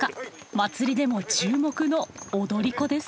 祭りでも注目の踊り子です。